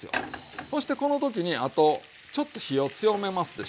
そしてこの時にあとちょっと火を強めますでしょ。